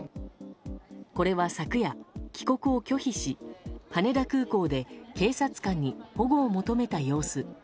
これは昨夜、帰国を拒否し羽田空港で警察官に保護を求めた様子。